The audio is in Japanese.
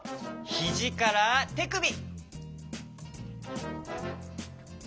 ひじからてくび！